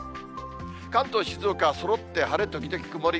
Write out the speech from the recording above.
関東、静岡は、そろって晴れ時々曇り。